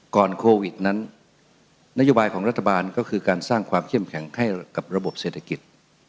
โควิดนั้นนโยบายของรัฐบาลก็คือการสร้างความเข้มแข็งให้กับระบบเศรษฐกิจ